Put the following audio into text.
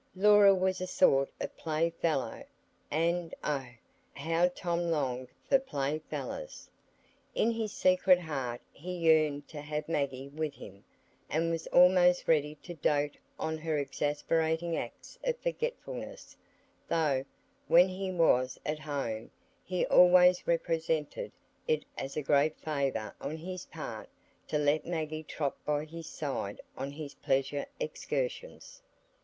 Laura was a sort of playfellow—and oh, how Tom longed for playfellows! In his secret heart he yearned to have Maggie with him, and was almost ready to dote on her exasperating acts of forgetfulness; though, when he was at home, he always represented it as a great favour on his part to let Maggie trot by his side on his pleasure excursions.